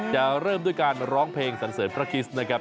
จะเริ่มด้วยการร้องเพลงสันเสริญพระคิสต์นะครับ